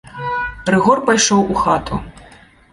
Рыгор пайшоў у хату.